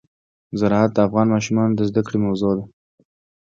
زراعت د افغان ماشومانو د زده کړې موضوع ده.